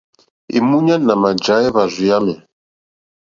Èmúɲánà àmà jǎ éhwàrzù yámì.